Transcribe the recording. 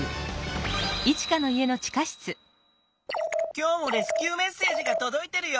今日もレスキューメッセージがとどいてるよ。